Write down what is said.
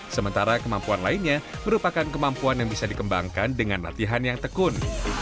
sementara kemampuan lainnya merupakan kemampuan yang bisa dikembangkan dengan latihan yang tekun